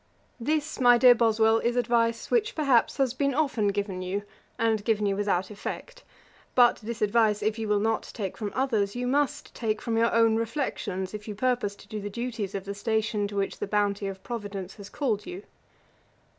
'This, my dear Boswell, is advice which, perhaps, has been often given you, and given you without effect. But this advice, if you will not take from others, you must take from your own reflections, if you purpose to do the duties of the station to which the bounty of Providence has called you.